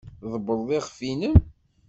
Tḍebbreḍ iɣef-nnem.